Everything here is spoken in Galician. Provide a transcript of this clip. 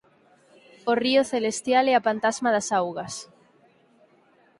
O Río Celestial é a Pantasma das Augas.